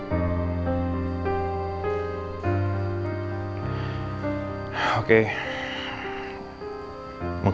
apa kak rati menipu